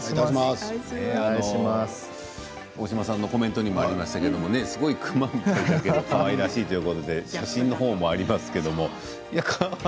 大島さんのコメントにもありましたけど、すごい熊みたいということでかわいらしいということですが写真もあります。